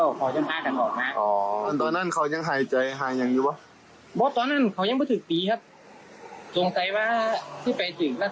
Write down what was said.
พี่บ๊ายพี่บ๊ายพี่บ๊ายพี่บ๊ายพี่บ๊ายพี่บ๊ายพี่บ๊าย